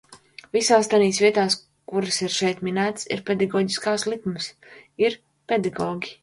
Visās tanīs vietās, kuras ir šeit minētas, ir pedagoģiskās likmes, ir pedagogi.